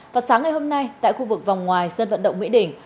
vào sáng ngày hôm nay tại khu vực vòng ngoài sơn vận động mỹ đỉnh